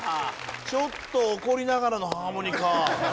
ちょっと怒りながらの「ハーモニカ」。